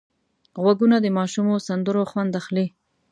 غوږونه د ماشومو سندرو خوند اخلي